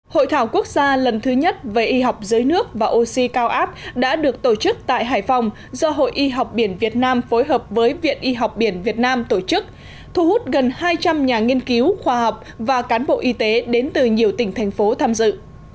hội thảo quốc gia lần thứ nhất về y học dưới nước và oxy cao áp đã được tổ chức tại hải phòng do hội y học biển việt nam phối hợp với viện y học biển việt nam tổ chức thu hút gần hai trăm linh nhà nghiên cứu khoa học và cán bộ y tế đến từ nhiều tỉnh thành phố tham dự